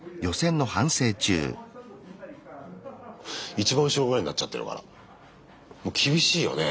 一番後ろぐらいになっちゃってるからもう厳しいよね